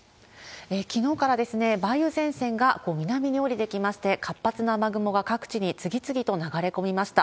きのうから梅雨前線が南に下りてきまして、活発な雨雲が各地に次々と流れ込みました。